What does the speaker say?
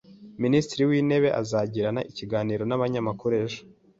Minisitiri w’intebe azagirana ikiganiro n’abanyamakuru ejo